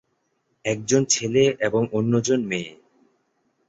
একজন ছেলে এবং অন্যজন মেয়ে।